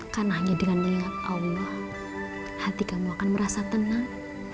karena hanya dengan mengingat allah hati kamu akan merasa tenang